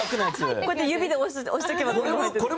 こうやって指で押しておけば。